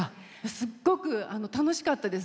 すっごく楽しかったです。